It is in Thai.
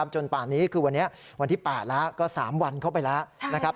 ป่านนี้คือวันนี้วันที่๘แล้วก็๓วันเข้าไปแล้วนะครับ